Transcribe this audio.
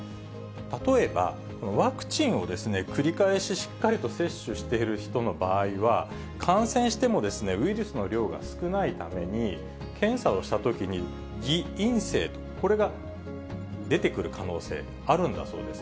例えば、ワクチンを繰り返ししっかりと接種している人の場合は、感染しても、ウイルスの量が少ないために、検査をしたときに偽陰性と、これが出てくる可能性あるんだそうです。